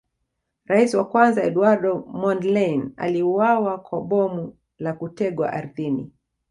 Rais wa kwanza Eduardo Mondlane aliuawa kwa bomu la kutegwa ardhini